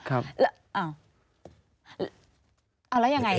อ๋อแล้วยังไงล่ะ